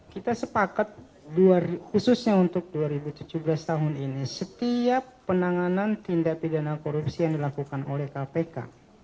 kita sepakat khususnya untuk dua ribu tujuh belas tahun ini setiap penanganan tindak pidana korupsi yang dilakukan oleh kpk